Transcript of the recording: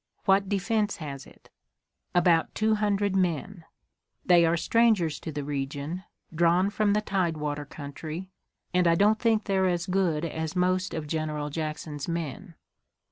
"What defense has it?" "About two hundred men. They are strangers to the region, drawn from the Tidewater country, and I don't think they're as good as most of General Jackson's men."